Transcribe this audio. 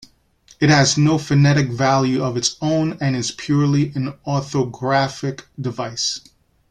It has no phonetic value of its own and is purely an orthographic device.